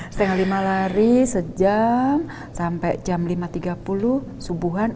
setengah lima lari sejam sampai jam lima tiga puluh subuhan